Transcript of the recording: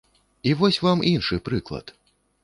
І вось вам іншы прыклад.